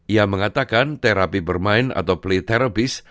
ia mengatakan terapi bermain atau play terrobis